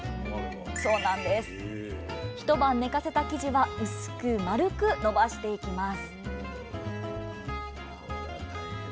一晩寝かせた生地は薄く丸く延ばしていきます